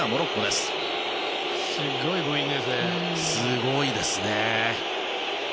すごいですね。